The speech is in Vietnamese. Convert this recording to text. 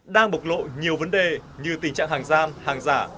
đang bộc lộ nhiều vấn đề như tình trạng hàng giam hàng giả